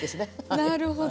なるほど。